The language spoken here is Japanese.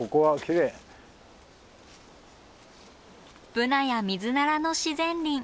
ブナやミズナラの自然林。